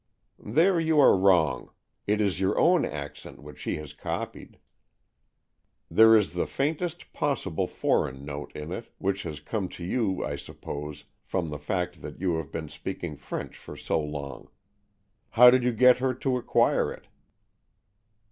" There you are wrong. It is your own accent which she has copied. There is the faintest possible foreign note in it, which has come to you, I suppose, from the fact that you have been speaking French for so long. How did you get her to acquire it?"